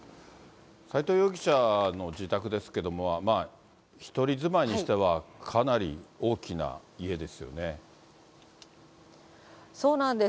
斎藤容疑者の自宅ですけども、１人住まいにしては、そうなんです。